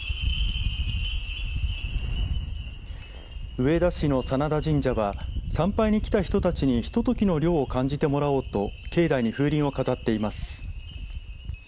上田市の眞田神社は参拝に来た人たちにひとときの涼を感じてもらおうと境内に風鈴を飾っています。